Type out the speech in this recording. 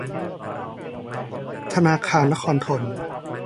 ธนาคารนครธน